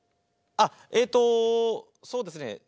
あっえっとそうですね。